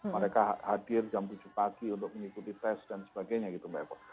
mereka hadir jam tujuh pagi untuk mengikuti tes dan sebagainya gitu mbak eva